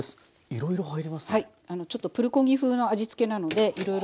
いろいろ入りますね。